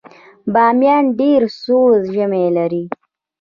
بامیان ډیر سوړ ژمی لري